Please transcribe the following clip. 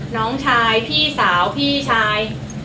น้องชายพี่สาวพี่ชาย